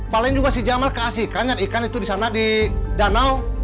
paling juga si jamal keasikan yang ikan itu di sana di danau